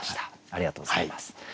ありがとうございます。